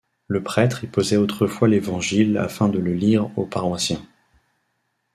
Le prêtre y posait autrefois l'évangile afin de le lire aux paroissiens.